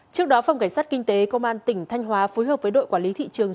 trước đó phòng cảnh sát kinh tế công an tỉnh thanh hóa phối hợp với đội quản lý thị trường